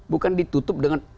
bukan ditutup dengan